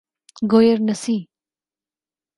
Guernsey